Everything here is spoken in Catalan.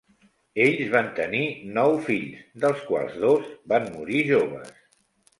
Ells van tenir nou fills dels quals dos van morir joves.